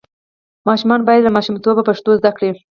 ماشومان باید له ماشومتوبه پښتو زده کړي.